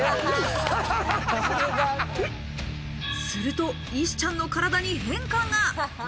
すると石ちゃんの体に変化が。